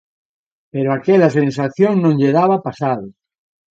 Pero aquela sensación non lle daba pasado.